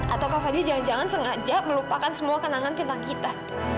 ataukah fadil jangan jangan sengaja melupakan semua kenangan tentang kita